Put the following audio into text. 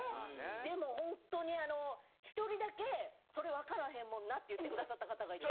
でもホントに１人だけそれ分からへんもんなって言って下さった方がいて。